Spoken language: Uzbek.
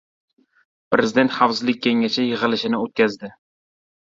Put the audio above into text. Prezident Xavfsizlik kengashi yig‘ilishini o‘tkazdi